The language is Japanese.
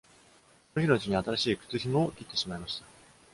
その日のうちに新しい靴ひもを切ってしまいました。